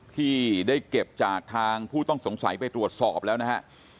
ที่ได้เก็บจากทางผู้ต้องสงสัยไปตรวจสอบแล้วนะฮะ